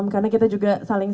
karena kita juga saling